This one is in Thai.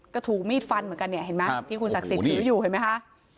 ก็ถูกมีดฟันเหมือนกันเนี่ยเห็นไหมที่คุณศักดิ์สิทธิ์ถืออยู่เห็นไหมคะ